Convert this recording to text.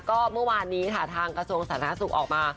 ก็เมื่อวานนี้ค่ะทางกระทรวงสาธารณสุขออกมา